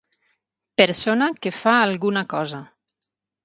Persona que fa alguna cosa.